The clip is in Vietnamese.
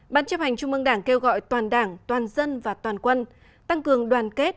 ban chấp hành trung mương đảng kêu gọi toàn đảng toàn dân và toàn quân tăng cường đoàn kết